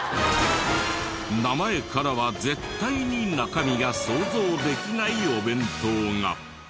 名前からは絶対に中身が想像できないお弁当が。